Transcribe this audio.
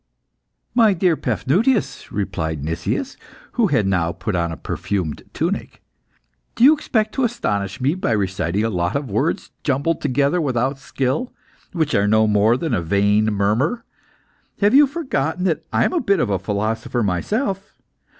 '" "My dear Paphnutius," replied Nicias, who had now put on a perfumed tunic, "do you expect to astonish me by reciting a lot of words jumbled together without skill, which are no more than a vain murmur? Have you forgotten that I am a bit of a philosopher myself?